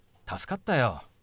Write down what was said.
助かったよ。